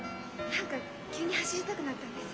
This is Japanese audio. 何か急に走りたくなったんです。